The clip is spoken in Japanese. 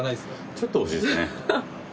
ちょっとほしいですね。